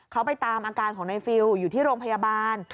เขาไปตามอาการของในฟิลอยู่ที่โรงพยาบาล